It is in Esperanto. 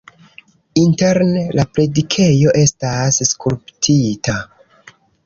Interne la predikejo estas skulptita.